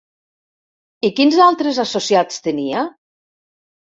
I quins altres associats tenia?